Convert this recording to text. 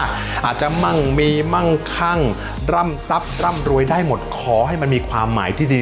อาจจะมั่งมีมั่งคั่งร่ำซับร่ำรวยได้หมดขอให้มันมีความหมายที่ดี